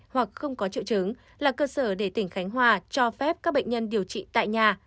hoặc không có triệu chứng là cơ sở để tỉnh khánh hòa cho phép các bệnh nhân điều trị tại nhà